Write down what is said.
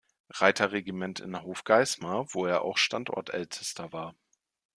Reiter-Regiment in Hofgeismar, wo er auch Standortältester war.